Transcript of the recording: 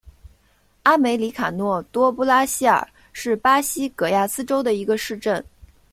阿梅里卡诺多布拉西尔是巴西戈亚斯州的一个市镇。